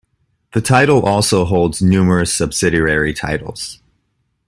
The title also holds numerous subsidiary titles.